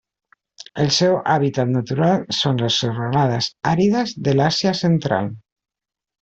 El seu hàbitat natural són les serralades àrides de l'Àsia Central.